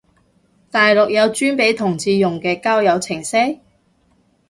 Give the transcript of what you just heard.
大陸有專俾同志用嘅交友程式？